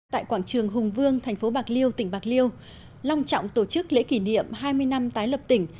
tại quảng trường hùng vương thành phố bạc liêu tỉnh bạc liêu long trọng tổ chức lễ kỷ niệm hai mươi năm tái lập tỉnh